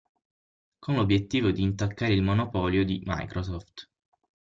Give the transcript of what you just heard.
Con l'obiettivo di intaccare il monopolio di Microsoft.